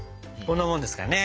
こんなもんですかね。